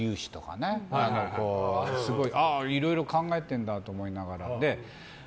いろいろ考えてるんだって思いながら。